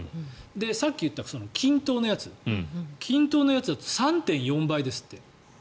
さっき言った均等のやつだと３．４倍ですって。